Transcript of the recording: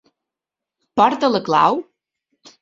Porta la clau?